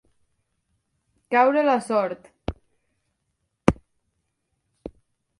Caure la sort.